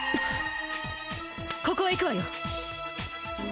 ここへ行くわよ！